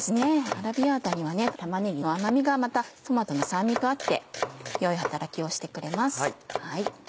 アラビアータには玉ねぎの甘みがまたトマトの酸味と合って良い働きをしてくれます。